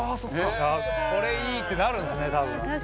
これ、いい！ってなるんですね、多分。